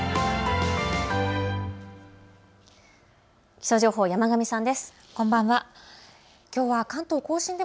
気象情報、山神さんです。